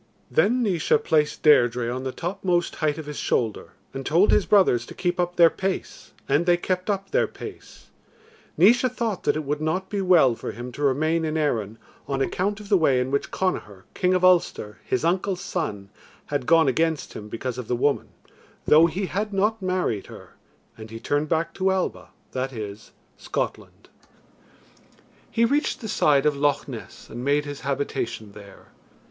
Then Naois placed Deirdre on the topmost height of his shoulder, and told his brothers to keep up their pace, and they kept up their pace. Naois thought that it would not be well for him to remain in Erin on account of the way in which Connachar, King of Ulster, his uncle's son, had gone against him because of the woman, though he had not married her; and he turned back to Alba, that is, Scotland. He reached the side of Loch Ness and made his habitation there.